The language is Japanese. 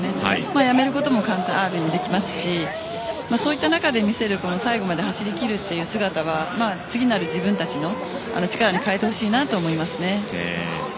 やめることもできますしそういった中で見せる最後まで走りきる姿は次の自分たちの力に変えてほしいなと思います。